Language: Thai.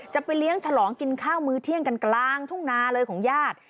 จะไปเลี้ยงฉลองกินข้าวมือเที่ยงกันกลางทุ่งนาเลยของญาติ